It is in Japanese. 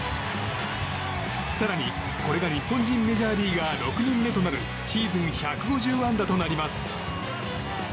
更に、これが日本人メジャーリーガー６人目となるシーズン１５０安打となります。